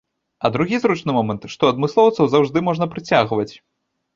А другі зручны момант, што адмыслоўцаў заўжды можна прыцягваць.